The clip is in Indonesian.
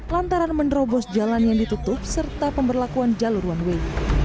lantaran menerobos jalan yang ditutup serta pemberlakuan jalur one way